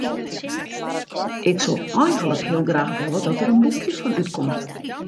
Ik soe eigentlik heel graach wolle dat der in boekje fan útkomt.